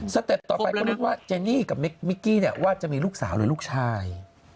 เต็ปต่อไปก็นึกว่าเจนี่กับมิกกี้เนี่ยว่าจะมีลูกสาวหรือลูกชาย